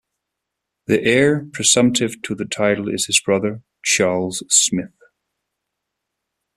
The heir presumptive to the title is his brother, Charles Smith.